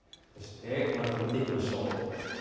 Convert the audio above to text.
そしてこのあとを見ていきましょう。